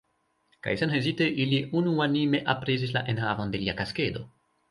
Kaj senhezite, ili unuanime aprezis la enhavon de lia kaskedo.